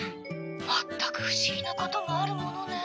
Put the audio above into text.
「全く不思議なこともあるものねえ」。